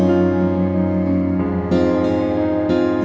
aku mau ke sana